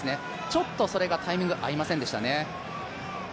ちょっとそれがタイミングが合いませんでしたね。